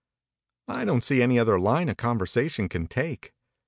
I don't see any other line a conversation can take.